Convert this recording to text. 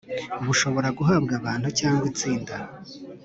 Bushobora guhabwa abantu cyangwa itsinda